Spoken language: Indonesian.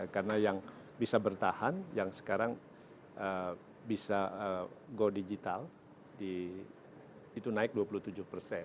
karena yang bisa bertahan yang sekarang bisa go digital itu naik dua puluh tujuh persen